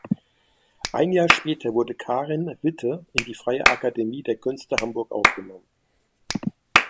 Ein Jahr später wurde Karin Witte in die Freie Akademie der Künste Hamburg aufgenommen.